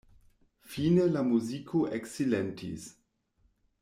Fine la muziko eksilentis.